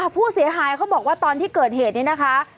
ผู้เสียหายเขาบอกว่าตอนที่เกิดเหตุนี้นะคะ